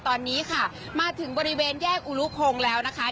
ตอนนี้ค่ะมาถึงบริเวณแยกอุรุพงศ์แล้วนะคะ